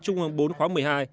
trung ương bốn khóa một mươi hai